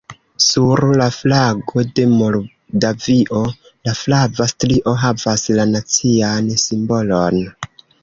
Sur la flago de Moldavio la flava strio havas la nacian simbolon.